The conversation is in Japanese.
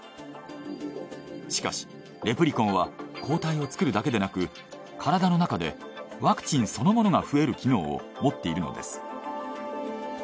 しかしレプリコンは抗体を作るだけでなく体の中でワクチンそのものが増える機能を持っているのです。